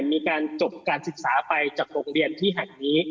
มีการจบการศึกษาไปจากโรงเรียนที่แห่งนี้